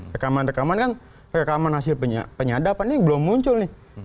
rekaman rekaman kan rekaman hasil penyadapan ini belum muncul nih